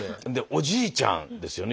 おじいちゃんですよね